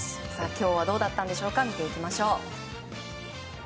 今日はどうだったんでしょうか見ていきましょう。